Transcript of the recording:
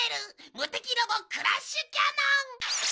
無敵ロボクラッシュキャノン！